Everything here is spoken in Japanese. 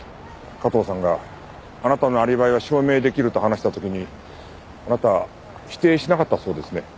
加藤さんがあなたのアリバイを証明できると話した時にあなたは否定しなかったそうですね。